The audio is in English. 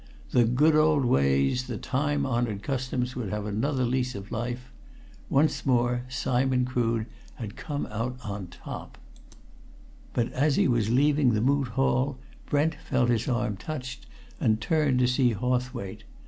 The good old ways, the time honoured customs would have another lease of life. Once more, Simon Crood had come out on top. But as he was leaving the Moot Hall, Brent felt his arm touched and turned to see Hawthwaite.